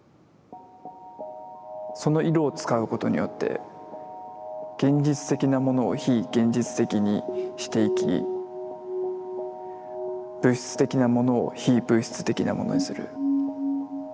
その色を使うことによって現実的なものを非現実的にしていき物質的なものを非物質的なものにする。